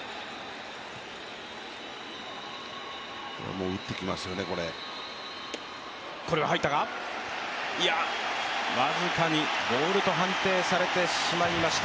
もう打ってきますよね、これ僅かにボールと判定されてしましました